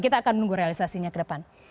kita akan menunggu realisasinya ke depan